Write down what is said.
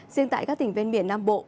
riêng tại các tỉnh ven biển nam bộ